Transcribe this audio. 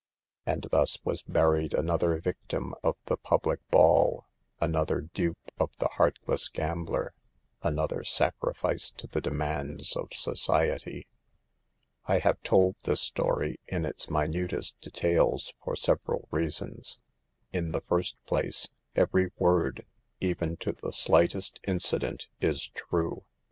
And thus was buried another victim of the public ball, another dupe of the heartless gambler, another sacrifice to the demands of society. I have told this story in its minutest details for several reasons. In the first place, every word, even to the slightest incident, is true.